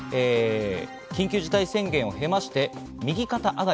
緊急事態宣言を経まして、右肩上がり。